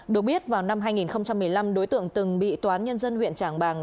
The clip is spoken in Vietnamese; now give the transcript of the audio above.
được biết vào năm hai nghìn một mươi năm đối tượng từng bị toán nhân dân huyện trảng bàng